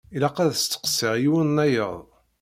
Ilaq ad testeqsiḍ yiwen-nnayeḍ.